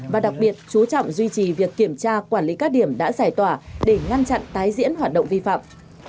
và đặc biệt chú trọng duy trì việc kiểm tra quản lý các điểm đã giải tỏa để ngăn chặn tái diễn hoạt động vi phạm